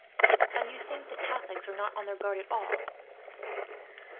"And you think the Catholics are not on their guard at all?"